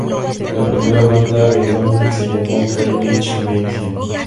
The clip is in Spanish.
La primera banda de Dominic se llamó "Carnage Mayhem".